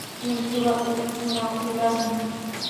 Runtuqa utkunaw yuraqmi.